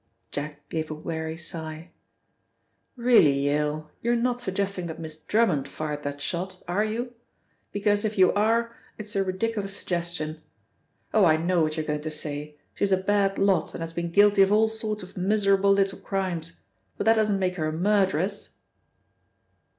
Jack gave a weary sigh. "Really, Yale, you're not suggesting that Miss Drummond fired that shot, are you? Because, if you are, it's a ridiculous suggestion. Oh, I know what you're going to say: she's a bad lot and has been guilty of all sorts of miserable little crimes, but that doesn't make her a murderess!"